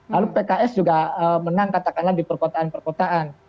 lalu pks juga menang katakanlah di perkotaan perkotaan